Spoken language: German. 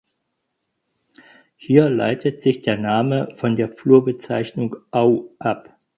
Hier leitet sich der Name von der Flurbezeichnung Au ab.